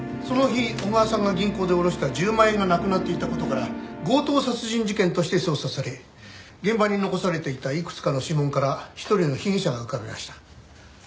その日小川さんが銀行で下ろした１０万円がなくなっていた事から強盗殺人事件として捜査され現場に残されていたいくつかの指紋から一人の被疑者が浮かびました。